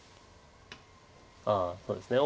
ああそうですね。